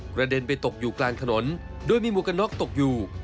กระเด็นไปตกอยู่กลางถนนโดยมีหมวกกันน็อกตกอยู่